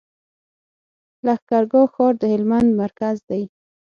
لښکر ګاه ښار د هلمند مرکز دی.